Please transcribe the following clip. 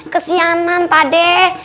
kesianan pak dek